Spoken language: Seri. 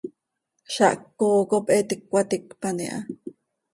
Zaah ccooo cop he iti cöcaticpan iha.